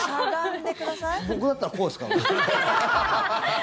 僕だったらこうですかね。